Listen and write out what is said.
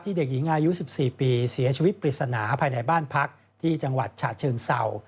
เด็กหญิงอายุ๑๔ปีเสียชีวิตปริศนาภายในบ้านพักที่จังหวัดฉะเชิงเศร้า